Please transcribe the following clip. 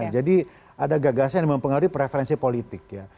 jadi ada gagasan yang mempengaruhi preferensi politik ya